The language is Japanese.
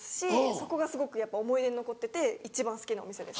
そこがすごくやっぱ思い出に残ってて一番好きなお店です。